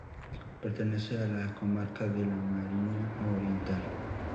Pertenece a la comarca de La Mariña Oriental.